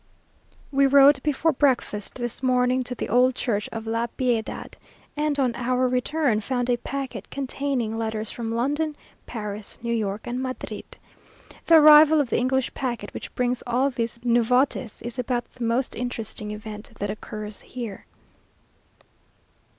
We rode before breakfast this morning to the old church of La Piedad, and, on our return, found a packet containing letters from London, Paris, New York, and Madrid. The arrival of the English packet, which brings all these nouveautes, is about the most interesting event that occurs here.